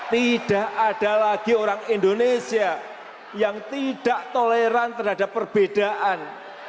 tidak ada lagi orang indonesia yang tidak tolakkan pembinaan pembinaan pembinaan